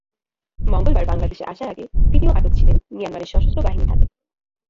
মঙ্গলবার বাংলাদেশে আসার আগে তিনিও আটক ছিলেন মিয়ানমারের সশস্ত্র বাহিনীর হাতে।